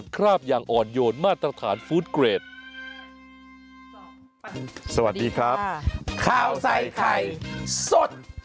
ข้าวใส่ไข่สด